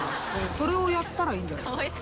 「それをやったらいいんじゃない？」